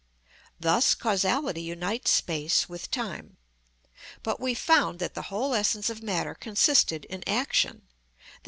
Thus causality unites space with time. But we found that the whole essence of matter consisted in action, _i.